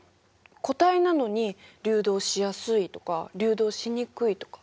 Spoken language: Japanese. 固体なのに流動しやすいとか流動しにくいとか。